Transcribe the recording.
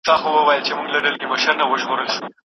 دقیق پلان جوړونه د بریالیتوب کیلي ده.